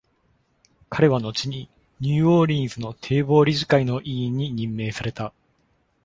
彼は後にニューオーリンズの堤防理事会の委員に任命された。